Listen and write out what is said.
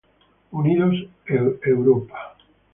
Unidos e Europa.